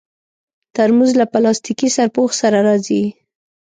ترموز له پلاستيکي سرپوښ سره راځي.